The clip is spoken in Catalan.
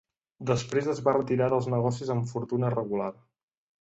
Després es va retirar dels negocis amb fortuna regular.